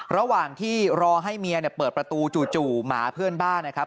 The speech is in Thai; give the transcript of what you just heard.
ระหว่างที่รอให้เมียเปิดประตูจู่หมาเพื่อนบ้านนะครับ